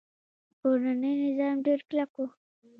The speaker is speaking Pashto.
کورنۍ نظام ډیر کلک و